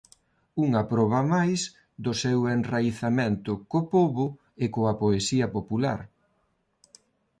Unha proba máis do seu enraizamento co pobo e coa poesía popular"".